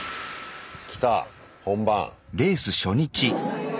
きた本番。